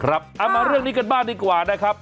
เอามาเรื่องนี้กันบ้างดีกว่านะครับ